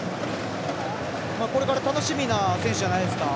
これから楽しみな選手じゃないですか。